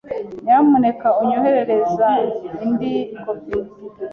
Nyamuneka onyoherereza indi kopi.